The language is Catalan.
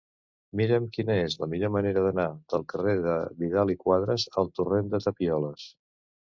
Mira'm quina és la millor manera d'anar del carrer de Vidal i Quadras al torrent de Tapioles.